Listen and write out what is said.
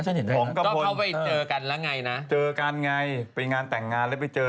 ผมก็เข้าไปเจอกันแล้วไงนะเจอกันไงไปงานแต่งงานแล้วไปเจอ